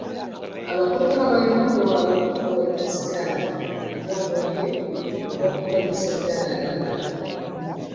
Abavuka balina okwewala okufuuweeta ssigala, okunywa omwenge n'okukozesa ebiragalalagala.